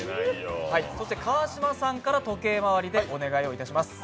川島さんから時計回りでお願いいたします。